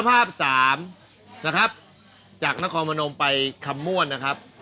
นะครับจากนครมนมไปคำมวลนะครับ